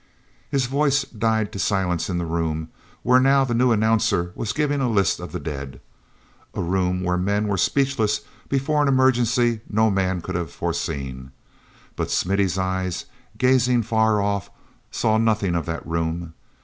His voice died to silence in the room where now the new announcer was giving a list of the dead—a room where men were speechless before an emergency no man could have foreseen. But Smithy's eyes, gazing far off, saw nothing of that room.